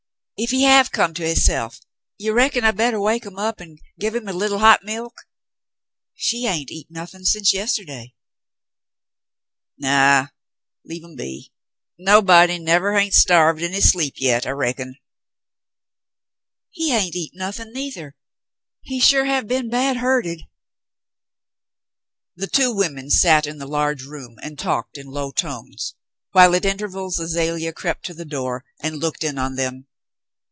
" Ef he have come to hisself, you reckon I bettah wake 'em up and give her a lee tie hot milk? She hain't eat nothin' sence yestiday." " Naw, leave 'em be. No body nevah hain't starved in his sleep yit, I reckon." "He hain't eat nothin', neithah. He sure have been bad hurted." The two women sat in the large room and talked in low tones, while at intervals Azalea crept to the door and looked in on them.